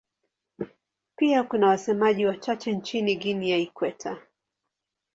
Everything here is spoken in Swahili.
Pia kuna wasemaji wachache nchini Guinea ya Ikweta.